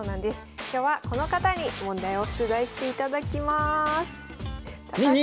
今日はこの方に問題を出題していただきます。